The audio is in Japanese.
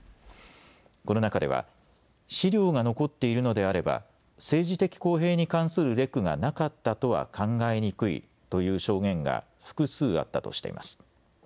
この中では資料が残っているのであれば政治的公平に関するレクがなかったとは考えにくいという証言が複数あったとしています。